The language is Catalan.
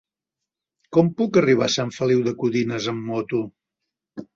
Com puc arribar a Sant Feliu de Codines amb moto?